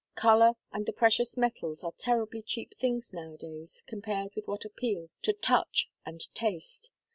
Colour and the precious metals are terribly cheap things nowadays compared with what appeals to touch and taste.